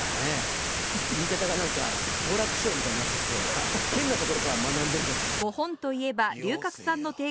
言い方が何か好楽師匠みたいになって来て変なところから学んでんじゃないの？